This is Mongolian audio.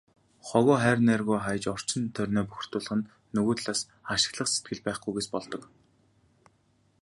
Хогоо хайр найргүй хаяж, орчин тойрноо бохирдуулах нь нөгөө талаас ашиглах сэтгэл байхгүйгээс болдог.